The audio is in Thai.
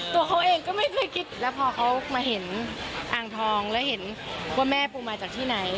ตัวเขาเองก็ไม่เคยคิดแล้วพอเขามาเห็นอ่างทองแล้วเห็นว่าแม่ปูมาจากที่ไหน